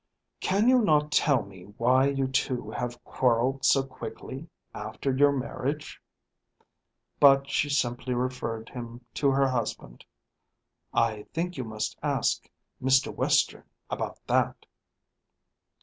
"Can you not tell me why you two have quarrelled so quickly after your marriage?" But she simply referred him to her husband. "I think you must ask Mr. Western about that."